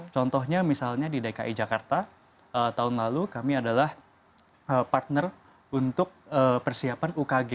contohnya misalnya di dki jakarta tahun lalu kami adalah partner untuk persiapan ukg